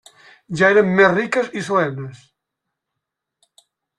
Ja eren més riques i solemnes.